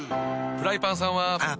フライパンさんは。